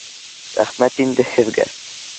Рәхмәт инде һеҙгә